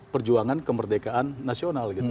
perjuangan kemerdekaan nasional gitu